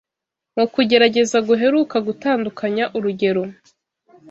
Mu kugerageza guheruka gutandukanya urugero